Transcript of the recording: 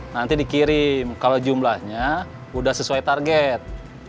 nanti dikirim kalau jumlahnya sudah sesuai target